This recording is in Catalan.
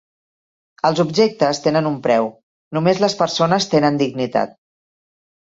Els objectes tenen un preu; només les persones tenen dignitat.